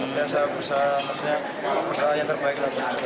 dan saya bisa maksudnya berlagak yang terbaik